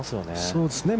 そうですね。